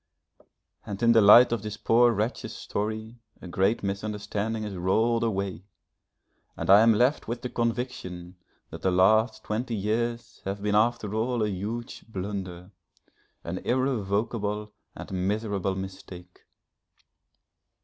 And in the light of this poor wretch's story, a great misunderstanding is rolled away, and I am left with the conviction that the last twenty years have been after all a huge blunder, an irrevocable and miserable mistake.